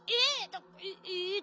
えっ！